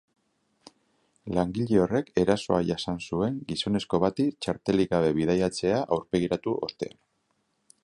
Langile horrek erasoa jasan zuen gizonezko bati txartelik gabe bidaiatzea aurpegiratu ostean.